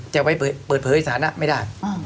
จะไปเปิดเผยสถานะไม่ได้